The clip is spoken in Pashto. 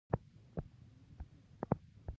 زابل ولايت ټولي يولس ولسوالي لري.